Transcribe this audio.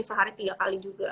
sehari tiga kali juga